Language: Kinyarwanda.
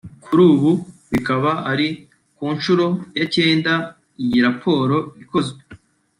kuri ubu bikaba ari ku nshuro ya cyenda iyi raporo ikozwe